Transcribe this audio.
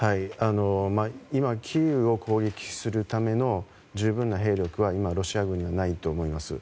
今、キーウを攻撃するための十分な兵力は今、ロシア軍にないと思います。